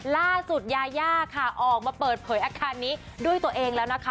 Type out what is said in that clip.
ยาย่าค่ะออกมาเปิดเผยอาคารนี้ด้วยตัวเองแล้วนะคะ